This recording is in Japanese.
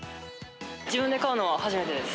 自分で買うのは初めてです。